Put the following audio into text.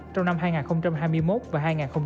trong năm hai nghìn hai mươi một và hai nghìn hai mươi năm